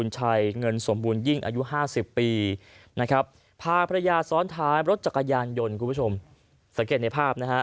สังเกตในภาพนะครับ